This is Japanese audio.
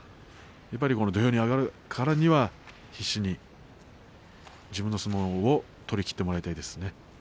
土俵に上がるからには必死に自分の相撲を取りきってもらいたいですね。